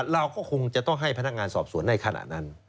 เราก็คงจะต้องให้พนักงานสอบสวนในขณะนั้น